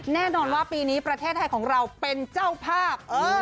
แน่นอนว่าปีนี้ประเทศไทยของเราเป็นเจ้าภาพ